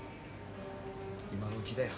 今のうちだよ。